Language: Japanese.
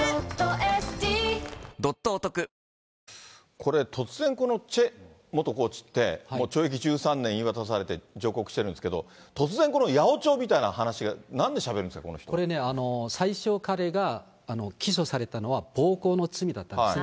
これ、突然、このチョ元コーチって、懲役１３年言い渡されて上告してるんですけど、突然、この八百長みたいな話が、なんでしゃべるんですか、これね、最初、彼が起訴されたのは、暴行の罪だったんですね。